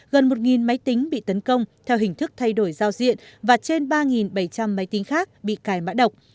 gần một máy tính bị tấn công theo hình thức thay đổi giao diện và trên ba bảy trăm linh máy tính khác bị cài mã độc